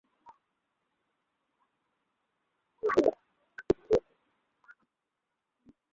কিন্তু হায়! এখন তুমি যা পাচ্ছ তা পুরস্কার নয়, অতিরিক্ত দুঃখের বোঝা।